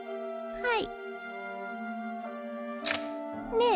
はい？